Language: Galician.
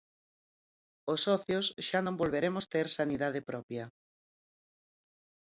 Os socios xa non volveremos ter sanidade propia.